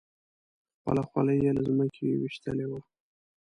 خپله خولۍ یې له ځمکې ویشتلې وه.